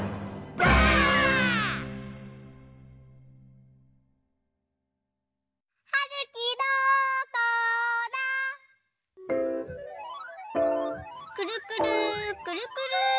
くるくるくるくる。